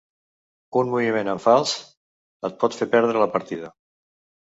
Un moviment en fals et pot fer perdre la partida.